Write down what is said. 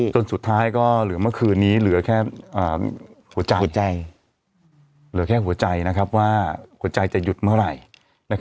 จนสุดท้ายก็เหลือแค่หัวใจหัวใจจะหยุดเมื่อไหร่